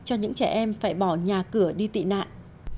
cho những trẻ em phải bỏ nhà cửa đi tị nạn